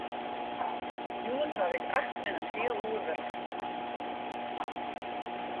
Hjoed haw ik acht en in heal oere wurke.